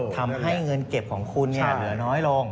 ทำให้เงินเก็บของคุณเหลือน้อยลง